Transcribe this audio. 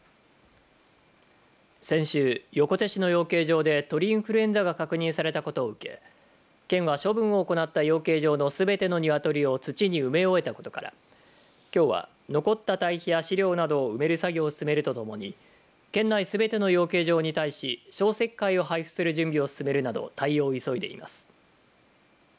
先週、横手市の養鶏場で鳥インフルエンザが確認されたことを受け県は処分を行った養鶏場のすべてのニワトリを土に埋め終えたことからきょうは残った堆肥や飼料などの埋める作業を進めるとともに県内すべての養鶏場に対し消石灰を配布する準備を進めるなど対応を急いでいます。